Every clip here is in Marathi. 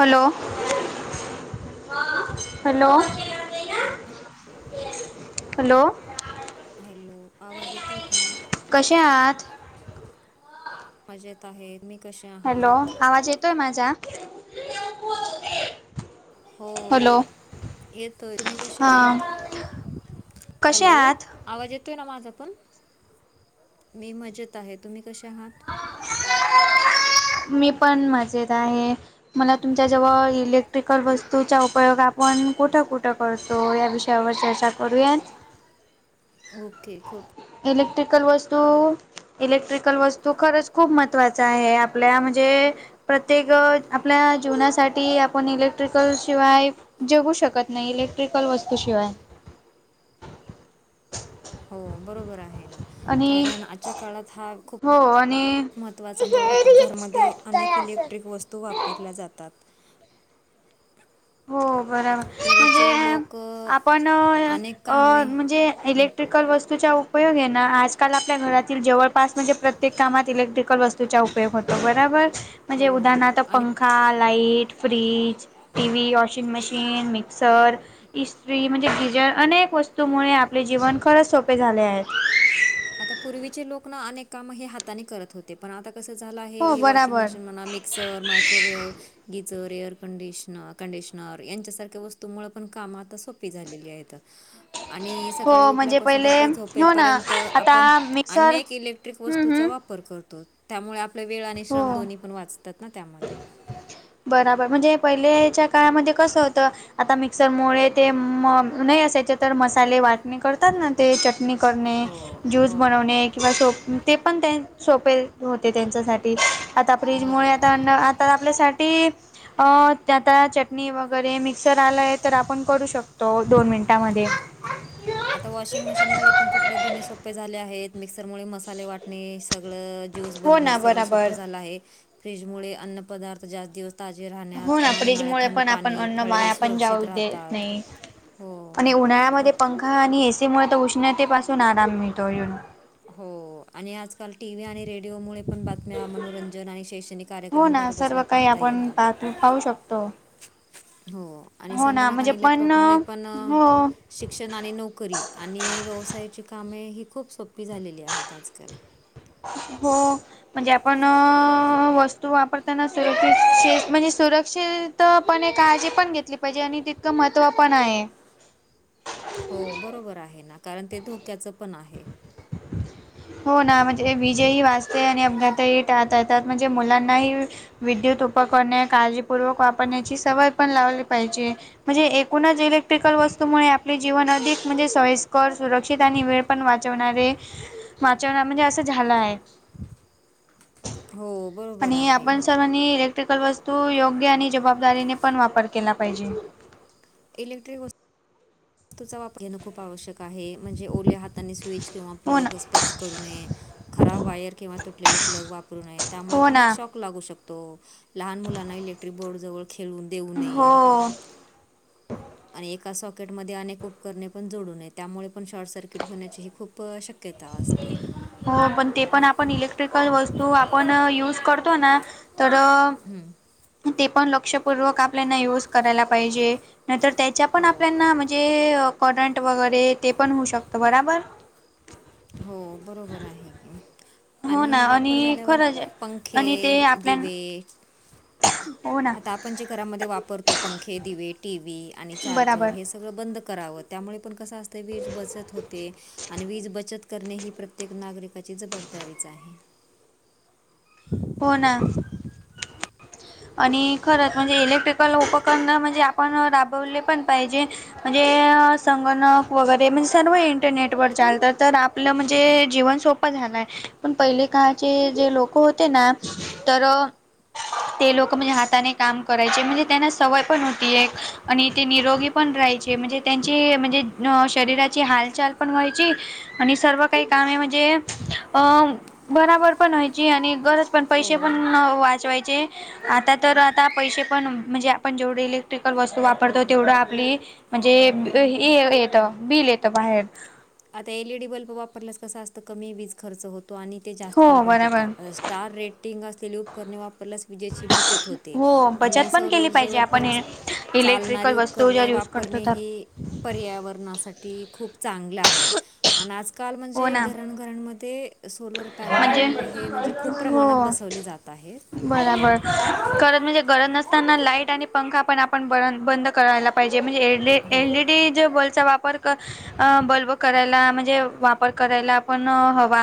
हॅलो. Hello hello. हॅलो आवाज येतो आहे का? कशा आात मजेत आहेत. आम् कशा? हॅलो आवाज येतोय माझा. हो य येतोय तुम्ही कसे हा आहात? कसे आ हॅलो आहेत. आवाज येतो आहे ना माझं पण मी मजेत आहे तुम्ही कसे आहात? मी पण मजेत आहे. मला तुमच्या जवळ इलेक्ट्रिकल वस्तूचा उपयोग आपण कुठं कुठं? करतो या विषयावर चर्चा करूयात. ओके खक. इलेक्ट्रिकल वस्तू इलेक्ट्रिकल वस्तू खरंच खूप महत्त्वाच आहे आपल्या म्हजे प्रत्येक आपल्या जीवनासाठी आपण इलेक्ट्रिकल शिवाय जगू शकत नाही इलेक्ट्रिकल वस्तू शिवाय हो बरोबर आहे ना आणि कारण आजच्या काळात हा खूप हो आणि महत्त्वाचा हे [unintelligible] रीच घरमध्ये करतय अनेक असं. इलेक्ट्रिक वस्तू वापरल्या जातात. हो बरोबर पूर्वीचे म्हणजे लोक अ, आपण अनेक अ-अ कामे म्हणजे इलेक ट्रिकल वस्तू च्या उप उपयोग आहे ना आजकाल आपल्या घरातील जवळपास म्हणजे प्रत्येक कामात इलेक्ट्रिकल वस्तूचा उपयोग होतो बरोबर. म्हणजे हो उदाहरणार्थ आणि पंखा light fridge T V washing machine mixer इस्त्री म्हणजे किजर अनेक वस्तूमुळे आपले जीवन खरं सोपे झाले आहे. आता पूर्वीचे लोक ना अनेक काम हे हाताने करत होते पण आता कसं झालं आहे हो हे वॉशिंग बराबर मशीन म्हणा आम्ही mixer microwave geyser air conditioner conditioner यांच्यासारख्या वस्तू तमुळ पण काम आता सोपी झालेली आहेत. आणि सकाळी हो म्हणजे उठल्यापासून पहिले रात्री हो ना झोपेपर्यंत आता आपण मिक्सर अनेक इलेक्ट्रिक हम्म वस्तूचा हम्म वापर वापर करतो त्यामुळे आपल्या वेळ आणि श्रम हो दोन्ही पण वाचतात ना त्यामध्ये बराबर म्हणजे पहिल्याच्या काळामध्ये कसं होतं. आता मिक्सरमुळे ते म नाही असायचे तर मसाले वाटणे कर. तर ना ते चटणी करणे हो ज्यूस हो बनवणे. किंवा सोप ते पण त्यां सोपे होते त्यांच्यासाठी आता फ्रीजमुळे बरोबर आता आहे [unintelligible] तर आपल्यासाठी अ त्या-त्या चटणी वगैरे मिक्सर आलाय तर आपण करू शकतो दोन मिनिटांमध्ये आता वॉशिंग मशीन मुळे पण कपडे धुने सोपे झाले आहेत मिक्सर मुळे मसाले वाटणे. सगळं ज्यूस हो बनवून हे ना सगळं बराबर सोपं झालं आहे फ्रीज मुळे अन्न पदार्थ जास्त दिवस ताजे राहण्यात हो ना किंवा उन्हाळ्यात फ्रीजमुळे थंड पण आपण पाणी अन्न फळे हे वाया पण जाऊ सुरक्षित राहतात हो नळ्यामध्ये खूप पंखा आणि एसी मुळे तर उष्णतेपासून आराम मिळतो येऊन हो आणि आजकाल टीव्ही आणि रेडिओमुळे पण बातम्या मनोरंजन आणि शैक्षणिक हो कार्यक्रम ना घर सर्व बसल्या काही पाहता आपण येतात पाहतो पाहू शकतो हो आणि हो ना संगणक म्हणजे आणि पण लॅपटॉपमुळे पण हो शिक्षण आणि नोकरी आणि व्यवसायाची कामे ही खूप सोपी झालेली आहेत आजकाल हो म्हणजे आपण वस्तू वापरताना सुरक्ष म्हणजे सुरक्षित त पण एक काळजी पण घेतली पाहिजे आणि तितकं महत्त्व पण आहे हो बरोबर आहे ना कारण ते धोक्याचं पण आहे [inaudible] हो ना म्हणजे विजय ही वाचते आणि अपघात ही टाळता येतात म्हणजे मुलांनाही विद्युत उपकरणे काळजीपूर्वक वापरण्याची सवय पण लावली पाहिजे म्हणजे एकूणच इलेक्ट्रिकल वस्तूमुळे आपले जीवन अधिक म्हणजे सोयस्कर सुरक्षित आणि वेळ पण वाचवणारे वाचवणारे म्हणजे असं झालं आहे हो बरोबर आणि आहे आपण ना. सर्वांनी इलेक्ट्रिकल वस्तू योग्य आणि जबाबदारीने पण वापर केला पाहिजे इलेक्ट्रिक वस्तू वस्तूचा वापर घेणं खूप आवश्यक आहे म्हणजे ओल्या हाताने स्विच किंवा हो ना प्लग स्पर्श करू ने खराब वायर किंवा तुटलेली प्लग वापर त्यामुळे हो पण एक ना शक लाू शकतो लहान मुलाना इलेक्ट्रिक बोर् जवळ खे देऊ नये हो. आणि एका सॉकेटमध्ये अनेक उपकरणे पण जोडूय त्यामुळे पण शॉर्ट सर्किट होण्याची ह खूप शक्य शक्यता अ असते हो पण ते पण आपण इलेक्ट्रिकल वस्तू आपण युज करतो ना तर हं, ते पण लक्षपूर्वक आपल्याना युज करायला पाहिजे नाहीतर त्याच्या पण हो. आपल्याना म्हणजे करंट वगैरे ते पण होऊ शकतं बराबर हो बरोबर आहे की हो आणि ना वापर झाल्यावर खरंच पंखे आणि ते आपल्या दिवे हो ना आ आपण घरा वापतो पंखे दिी आणि बराबर चार्जर हे सगळं बंद करावं त्यामुळे पण कसं असतं वीज बचत होते आणि वीज बचत करणे ही प्रत्येक नागरिकाची जबाबदारीच आहे पोना आणि खरंच म्हणजे इलेक्ट्रिकल उपकरण म्हणजे आपण राबवले पण पाहिजे म्हणजे संगणक वगैरे म्हणजे सर्व इंटरनेट वर चालतात तर आपलं म्हणजे जीवन सोप झालाय पण पहिले काळचे जे लोक होते ना तर ते लोक म्हणजे हाताने काम करायचे म्हणजे त्यांना सवय पण होती एक आणि ते निरोगी पण राहायचे म्हणजे त्यांची म्हणजे शरीराची हालचाल पण व्हायची आणि सर्व काही काम आहे म्हणजे अ बराबर पण व्हायची आणि गरज पण पैसे पण हो वाचवायचे आता तर आता पैसे पण म्हणजे आपण जेवढी इलेक्ट्रिकल वस्तू वापरतो तेवढं आपली म्हणजे हे येत बिल येत बाहेर आता एलईडी बल्ब वापरल्यास कसा असत कमी वीज खर्च होतो आणि ते जास्त हो काळ पण बरोबर टिकतात स्टार रेटिंग असलेले उपकरणे वापरल्यास विजेची बचत होते हो बचत आणि पण सौर केली पाहिजे ऊर्जेवर आपण पण चालणारी इलेक्ट्रिकल वस्तू उपकरणे जर यूज करतो वापरणे तर ही पर्यावरणासाठी खूप चांगले आहेत आणि आजकाल हो म्हणजे ना घर उकरणमध्ये सोलर म्हणजे पॅनल हे म्हणजे खूप हो प्रमाणात बसवले जात आहे बराबर कारण म्हणजे गरत नसताना लाईट आणि पंखा पण आपण ब बंद करायला पाहिजे म्हणजे हो एलईडी ज बल्बचा वापर बल्ब करायला म्हणजे वा वापर करायला आपण हवा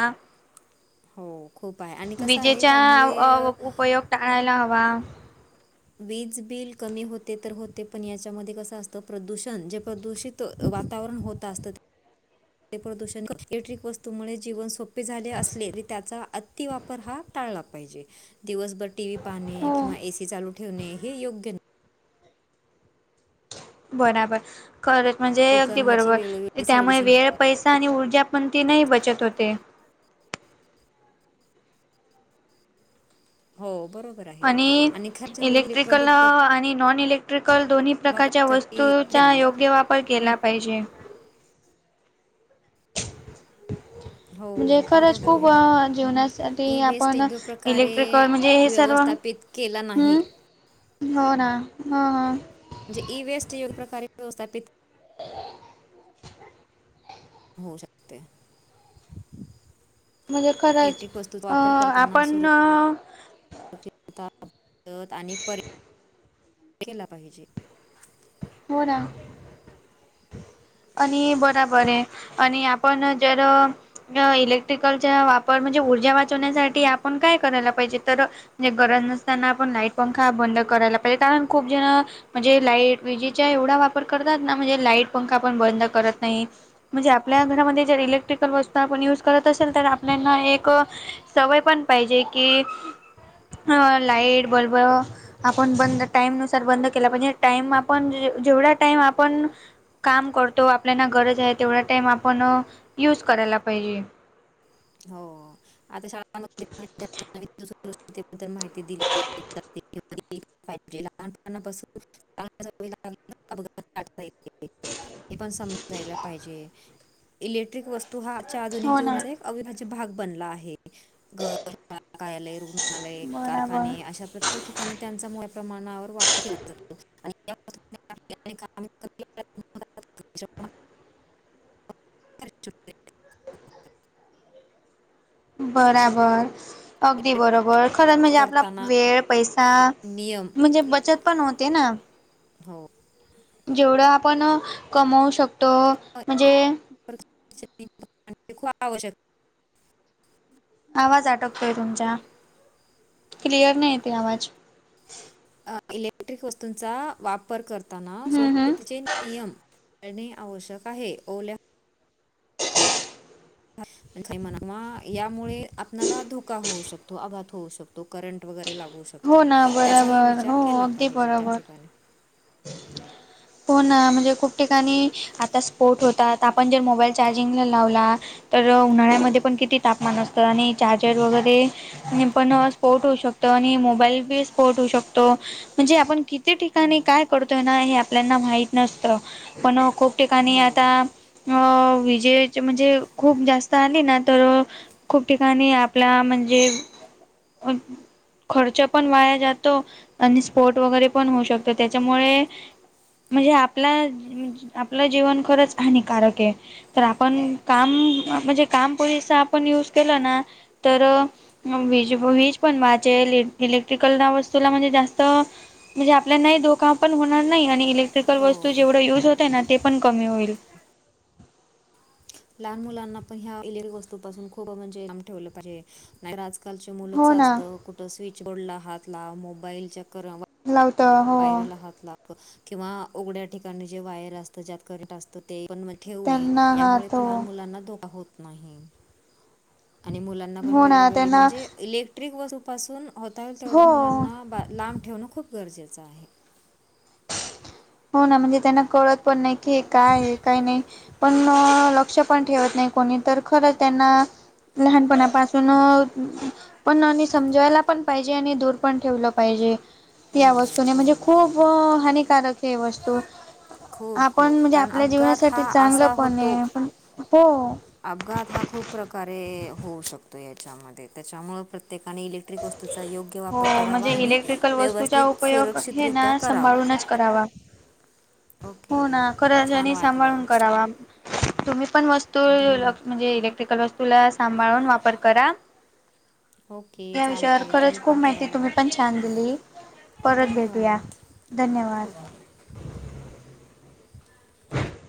हो खूप आहे आणि कसं आहे विजेचा त्यामुळे उपयोग टाळायला हवा वीज बिल कमी होते तर होते पण याच्यामध्ये कसं असतं प्रदूषण जे प्रदूषित वातावरण होत असतं प्रदूषण इलेक्ट्रिक वस्तूमुळे जीवन सोपे झाले असले तरी त्याचा अतिवापर हा टाळला पाहिजे दिवसभर टी व्ही पाहणे हो किंवा एसी चालू ठेवणे हे योग्य नाही बराबर खरच म्हणजे अगदी उपकरणाची बरोबर वेळोवेळी त्यामुळे सर्व्हिसिंग वेळ पैसे आणि ऊर्जा पण ती नाही बचत होते. [unintelligible] आणि खराब झालेली इलेक्ट्रॉनिक इलेक्ट्रिकल उपकरण आणि नॉन इलेक्ट्र क्ट्रिकल दोन्ही प्रकारच्या वापरासाठी वस्तूंचा द्यावीत योग्य वापर केला पाहिजे हो म्हणजे खरंच बरोबर खूप आहे अ जीवनासाठी बेस आपण त प्रकारे इलेक्ट्रिकल म्हणजे हे सर्व व्यवस्थापित केला नाही. हम्म हो ना ह ह. म्हणजे ई वेस्ट योग प्रकारे्यवस्थापित [unintelligible] हो शकते, [unintelligible] म्हणजे खरंच एटिक वस्तूतचा अ वापर करताना असु आपण [unintelligible] आणि पर [inaudible] केला पाहिजे. हो ना, [unintelligible] आणि बराबर आहे, आणि आपण जर इलेक्ट्रिकलचा वापर म्हणजे ऊर्जा वाचवण्यासाठी आपण काय करायला पाहिजे तर म्हणजे गरज नसताना आपण लाईट पंखा बंद करायला पाहिजे कारण खूप जण म्हणजे लाईट विजेचा एवढा वापर करतात ना म्हणजे लाईट पंखा पण बंद करत नाही. म्हणजे आपल्या घरामध्ये जर इलेक्ट्रिकल वस्तू आपण युज करत असेल तर आपल्याना एक, सवय पण पाहिजे की लाईट बल्ब आपण बंद टाईमनुसार बंद केला पाहिजे टाइम आप आपण जेवढा टाइम आपण काम करतो आपल्याना गरज आहे तेवढा टाईम आपण यूज करायला पाहिजे हो आता शाद्दल माहिती दिली. [unintelligible] हिजे लहानपणापासून. [unintelligible] ते पण समजायला पाहिजे. इलेक्ट्रिक वस्तू हा आधिक हो ना जीवना अ्य भाग बनला आहेय्. [unintelligible] रग्णालय बराबर कारखाने अशा प्रत्येक ठिकाणी त्यांचा मोठ्या प्रमाणावर वापर केला जातो. [unintelligible] [unintelligible] बराबर. अगदी बरोबर खरंच म्हणजे आपला करताना वेळ पैसा नियम म्हणजे बचत पण होते ना? हो, जेवढं आपण कमवू शकतो हे म्हणजे [unintelligible] खूप आवश्यक, आवाज आटकतोय तुमचा, [inaudible] क्लिअर नाही येत आवाज, अ इलेक्ट्रिक वस्तूंचा वापर करताना हम्म हम्म स्चे पयम करणे आवश्यक आहे ओल्या [unintelligible] णा यामुळे आपल्याला धोका होऊ शकतो अघात होऊ शकतो तो करंट वगैरे लागू हो शकतो ना त्याचाही बरोबर विचार हो केला, पाहिजे त्या ठिकाणी. ह फोन म्हणजे खूप ठिकाणी आता स्पोर्ट होतात, आपण जर मोबाईल चार्जिंगला लावला. तर हो उन्हाळ्यामध्ये पण किती तापमान, असतं आणि चार्जर वगैरे. आणि पण स्पोर्ट होऊ, शकतो आणि मोबाईल बी स्पोर्ट होऊ शकतो. म्हणजे आपण किती हो ठिकाणी काय करतोय, ना हे आपल्याना माहत नसत पण खूप ठिकाणी हो आता विजये. म्हणजे खूप जास्त आली ना तर, खूप ठिकाणी आपला म्हणजे. खर्च पण वाया जातो, आणि स्पोट वगैरे पण होऊ शकतो. तर त्याच्यामुळे. म्हणजे आपला आपलं, जीवन खरंच हानिकारक आहे. तर आपण काम म्हणजे, काम पुरीसा आपण युज केलं ना तर. वज वीज पण वय इलेक्ट्रिकल, वस्तूला म्हणजे जास्त म्हणजे. आपला नाही धोकाा पण होणार नाही, आणि इलेक्ट्रिकल हो वस्तू जेवढं युज, होत ना ते पण कमी होईल. लहान मुलांना पण ह्या इलेक्ट्रिक वस्तू पाासून, खूप म्हणजेम ठेवलं पाहिजे. नाही आजकालचे मुलं हो ना असत, कुठ स्विच बडला हातला मोबाईल. लावत. हो वायराला हात लागत किंवा उघड्या ठिकाणी, जे वायर असत ज्यात करंट असत ते पण. ठेवणे त्यांना हा यामुळे तो पान, मुलांना धोका होत नाही. आणि मुलांना पण, हो ना वेळोवेळी त्यांना म्हणजे इले. क्ट्रिक वसूपासून होता येल तेवढं, हो मुलांना बा लांब ठेवणं खूप गरजेचं आहे. हो ना म्हणजे त्यांना कळत, पण नाही की हे काय काय नाही. पण लक्ष पण ठेवत, नाही कोणी तर खरं त्यांना. लहानपणापासून. पण आणि समजायला पण, पाहिजे आणि दूर पण ठेवलं पाहिजे. त्या हो वस्तूने म्हणजे, बरोबर खूप आहे हानिकारक हे वस्तू. खूप आपण खूप म्हणजे कारण आपल्या, अपघात जीवनासाठी हा चांगलं असा पण होतो आहे प हो. अपघात हा खूप प्रकारे होऊ शकतो, याच्यामध्ये त्याच्यामुळे प्रत्येकाने इलेक्. वतूचा योग्य, हो वापर करावा म्हणजे आणि इलेक्ट्रिकल वस्तूचा व्यवस्थित उपयोग हे सुरक्षितरित्या ना करावा. सांभाळूनच करावा. हो ना ओके छान खरंचनी वाटलं सांभाळून करावा. तुम्ही पण वस्तू धन्य लक्ष म्हणजे इलेक्ट्रिकल, वस्तूला सांभाळून वापर करा. ओके या चालतं विषयावर आहे तुम्ही खरंच खूप, पण माहिती करा तुम्ही पण छान दिली. परत भेटूया धन्यवाद धन्यवाद. ओके ह